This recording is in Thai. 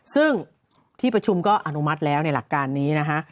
ซึ่งที่ประชุมก็อนุมัติแล้วในหลักการนี้นะฮะ